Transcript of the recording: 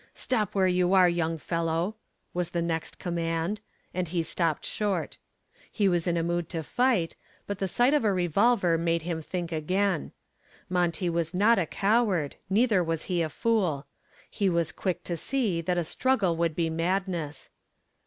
"Stop where you are, young fellow," was the next command, and he stopped short. He was in a mood to fight, but the sight of a revolver made him think again. Monty was not a coward, neither was he a fool. He was quick to see that a struggle would be madness.